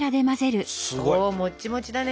すごい！もっちもちだね！